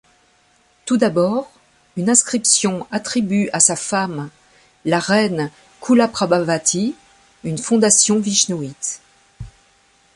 Tout d’abord, une inscription attribue à sa femme, la reine Kulaprabhavati, une fondation vishnouite.